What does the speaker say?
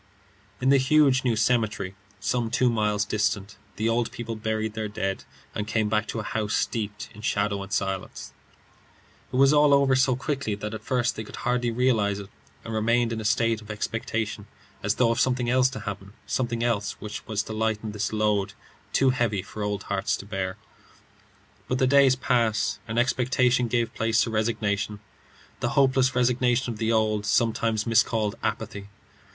III. In the huge new cemetery, some two miles distant, the old people buried their dead, and came back to a house steeped in shadow and silence. It was all over so quickly that at first they could hardly realize it, and remained in a state of expectation as though of something else to happen something else which was to lighten this load, too heavy for old hearts to bear. But the days passed, and expectation gave place to resignation the hopeless resignation of the old, sometimes miscalled, apathy.